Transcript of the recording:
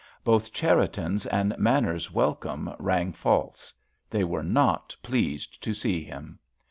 Both Cherriton's and Manners's welcome rang false. They were not pleased to see him.